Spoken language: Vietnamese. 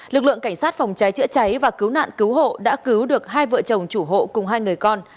lực lượng cảnh sát phòng cháy chữa cháy và cứu nạn cứu hộ đã cứu được hai vợ chồng chủ hộ cùng hai người con